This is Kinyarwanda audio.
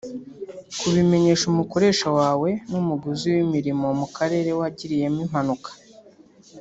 Kubimenyesha umukoresha wawe n’umugenzuzi w’imirimo mu karere wagiriyemo impanuka